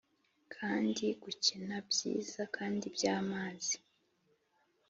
kandi gukina, byiza kandi byamazi